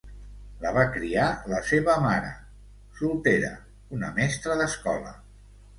La va criar la seva mare soltera, una mestra d'escola.